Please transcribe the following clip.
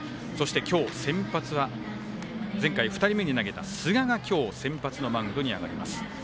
今日先発は、前回２人目に投げた寿賀が今日先発のマウンドに上がります。